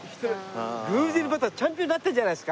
偶然またチャンピオンになったじゃないですか。